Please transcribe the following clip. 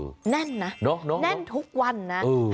ส่วนเมนูที่ว่าคืออะไรติดตามในช่วงตลอดกิน